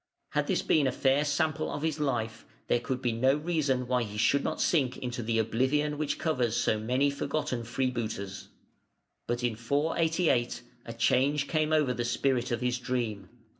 Had this been a fair sample of his life, there could be no reason why he should not sink into the oblivion which covers so many forgotten freebooters. But in 488 a change came over the spirit of his dream.